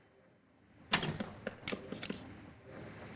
leo wamefanya maandamano jijini mwanza